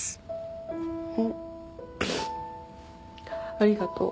ありがとう。